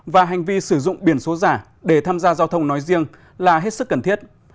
và hành vi sử dụng biển số giả để tham gia giao thông nói riêng là hết sức cần thiết